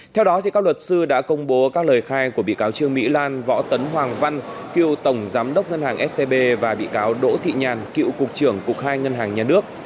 theo đó các luật sư đã công bố các lời khai của bị cáo trương mỹ lan võ tấn hoàng văn cựu tổng giám đốc ngân hàng scb và bị cáo đỗ thị nhàn cựu cục trưởng cục hai ngân hàng nhà nước